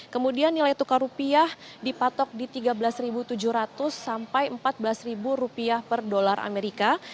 kemudian nilai tukar rupiah dipatok di tiga belas tujuh ratus sampai empat belas rupiah per dolar amerika